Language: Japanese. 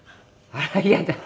「あら嫌だ」。